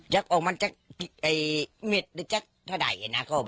ยักษ์ออกมาจากเม็ดหรือจากเถ่าไหร่นะครับ